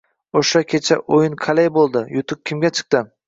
- Oshna, kecha o‘yin qale bo‘ldi? Yutuq kimga chiqdi?